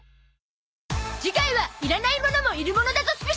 次回はいらないモノもいるものだゾ ＳＰ